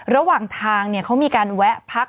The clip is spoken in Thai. ระหว่างทางเขามีการแวะพัก